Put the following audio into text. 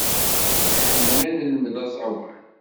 Nḥemmel ad nelmed aẓawan.